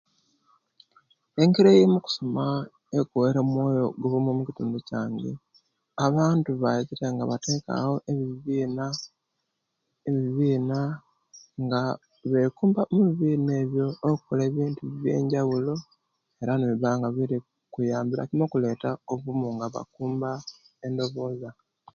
Engeri yokusoma owekuwaire omwoyo gwowumu omukitundu kyange abantu babire nga batekawo ebiina ebiina nga benkumba omubibiina ebyo nebakola ebintu byenjabulo era nibibanga biyambira kimo okuleta obuwumo nga bakumba endobooza